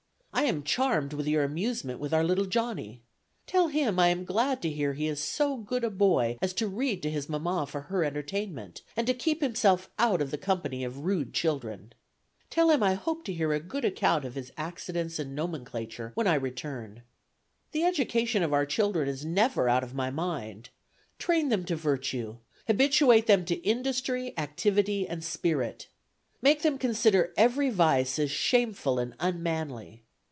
I am charmed with your amusement with our little Johnny. Tell him I am glad to hear he is so good a boy as to read to his mamma for her entertainment, and to keep himself out of the company of rude children. Tell him I hope to hear a good account of his accidence and nomenclature when I return. ... "The education of our children is never out of my mind. Train them to virtue. Habituate them to industry, activity, and spirit. Make them consider every vice as shameful and unmanly.